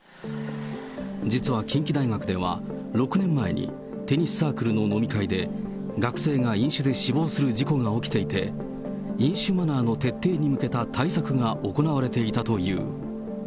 実は近畿大学では、６年前に、テニスサークルの飲み会で、学生が飲酒で死亡する事故が起きていて、飲酒マナーの徹底に向けた対策が行われていたという。